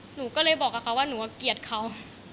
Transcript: หนูก็เลยบอกกับเขาว่าหนูว่าเกลียดเขา